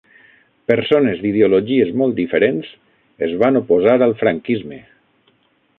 Persones d'ideologies molt diferents es van oposar al franquisme.